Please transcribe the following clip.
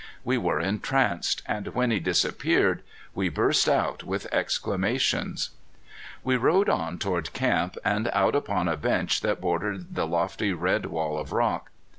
We were entranced, and when he disappeared, we burst out with exclamations. We rode on toward camp, and out upon a bench that bordered the lofty red wall of rock.